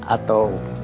atau terpaksa perang